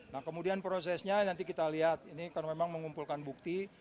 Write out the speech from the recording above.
nah kemudian prosesnya nanti kita lihat ini kan memang mengumpulkan bukti